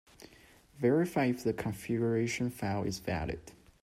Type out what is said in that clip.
Verify if the configuration file is valid.